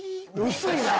薄いなぁ。